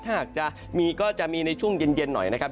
ถ้าหากจะมีก็จะมีในช่วงเย็นหน่อยนะครับ